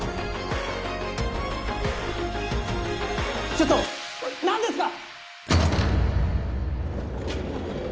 ・ちょっと何ですか！